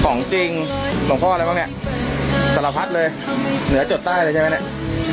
โเคของจริงหล่มพ่ออะไรกันเนี่ยสระพัดเลยเหนือจนได้เลยใช่ไหมเนี่ย